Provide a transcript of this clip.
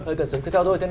hơi cân xứng một chút ạ